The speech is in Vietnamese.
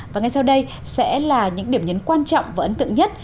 và ngay sau đây sẽ là những điểm nhấn quan trọng và ấn tượng nhất